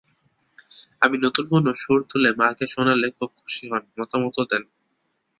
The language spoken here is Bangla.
আমি নতুন কোনো সুর তুলে মাকে শোনালে খুব খুশি হন, মতামতও দেন।